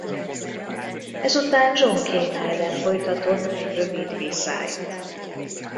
Ezután John Cena ellen folytatott egy rövid viszályt.